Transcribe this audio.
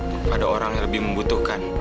kepada orang yang lebih membutuhkan